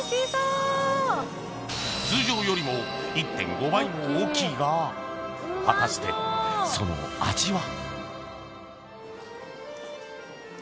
通常よりも１．５倍も大きいが果たしてその味は？